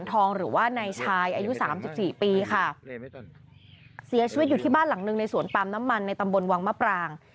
ที่บ้านหลังนึงในสวนปรามน้ำมันในตำบลวังมะปราง